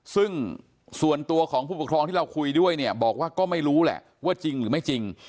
ซึ่งส่วนตัวของผู้ปกครองที่เราคุยด้วยเนี่ยบอกว่าก็ไม่รู้แหละว่าจริงหรือไม่จริง